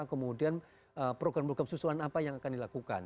kemudian program program susulan apa yang akan dilakukan